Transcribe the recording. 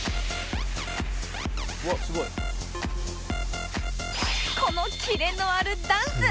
「うわあすごい」このキレのあるダンス